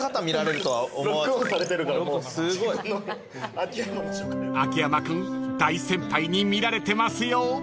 ［秋山君大先輩に見られてますよ］